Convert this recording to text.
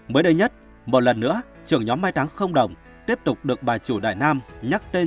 mới đây nhất một lần nữa trưởng nhóm mai táng không đồng tiếp tục được bà chủ đại nam nhắc tên